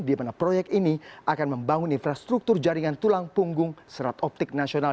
di mana proyek ini akan membangun infrastruktur jaringan tulang punggung serat optik nasional